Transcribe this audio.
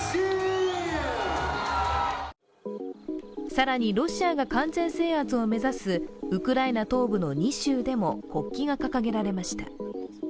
更に、ロシアが完全制圧を目指すウクライナ東部の２州でも国旗が掲げられました。